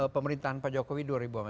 pemerintahan pak jokowi dua ribu empat belas